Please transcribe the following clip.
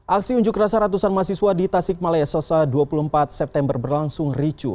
aksi unjuk rasa ratusan mahasiswa di tasikmalaya sosa dua puluh empat september berlangsung ricu